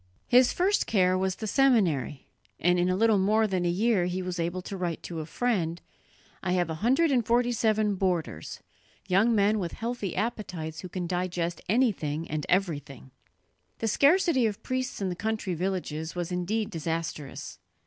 His first care was the seminary, and in a little more than a year he was able to write to a friend: "I have a hundred and forty seven boarders, young men with healthy appetites who can digest anything and everything." The scarcity of priests in the country villages was indeed disastrous.